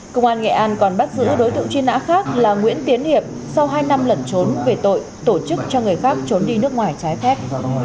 công an nghệ an còn bắt giữ đối tượng truy nã khác là nguyễn tiến hiệp sau hai năm lẩn trốn về tội tổ chức cho người khác trốn đi nước ngoài trái phép